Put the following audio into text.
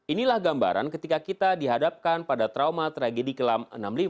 inilah gambaran ketika kita dihadapkan pada trauma tragedi kelam enam puluh lima